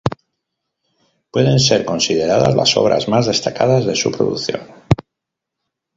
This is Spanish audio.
Pueden ser consideradas las obras más destacadas de su producción.